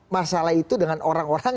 masalah itu dengan orang orang